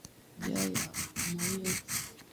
Haja ya moyo wangu ni wewe.